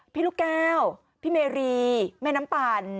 ลูกแก้วพี่เมรีแม่น้ำปั่น